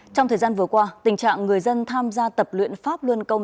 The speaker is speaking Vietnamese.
trong thời gian vừa qua tình trạng người dân tham gia tập luyện pháp luân công